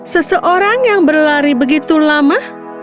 seseorang yang berlari begitu lama